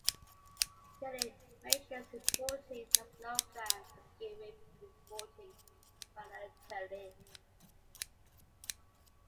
Currently Matrics Importing has no plans to begin re-importing Vana Tallinn.